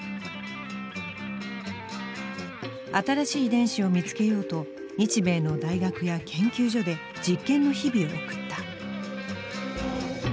新しい遺伝子を見つけようと日米の大学や研究所で実験の日々を送った。